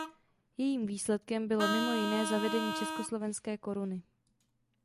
Jejím výsledkem bylo mimo jiné zavedení československé koruny.